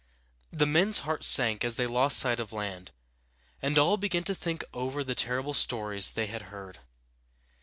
The men's hearts sank as they lost sight of land, and all began to think over the terrible stories they had heard.